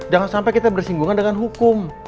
jangan sampai kita bersinggungan dengan hukum